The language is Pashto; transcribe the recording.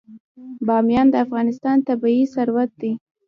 بامیان د افغانستان طبعي ثروت دی.